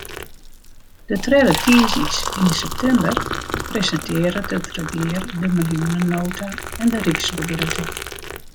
De tredde tiisdeis yn septimber presintearret it regear de miljoenenota en de ryksbegrutting.